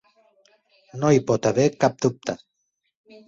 No hi pot haver cap dubte.